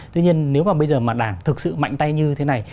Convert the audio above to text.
tuy nhiên nếu mà bây giờ mà đảng thực sự mạnh tay như thế này